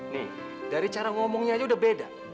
nih dari cara ngomongnya aja udah beda